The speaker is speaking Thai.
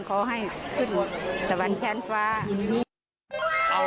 ขอให้ขึ้นหัวสวรรค์ชั้นฟ้า